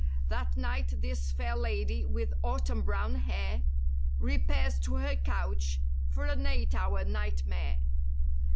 That night this fair lady with Autumn brown hair Repairs to her couch for an eight hour nightmare.